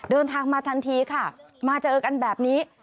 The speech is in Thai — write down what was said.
เดินทางมาทันทีค่ะมาเจอกันแบบนี้